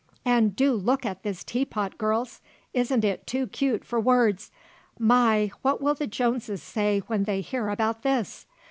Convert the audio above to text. "And do look at this tea pot, girls; isn't it too cute for words. My! What will the Jones say when they hear about this!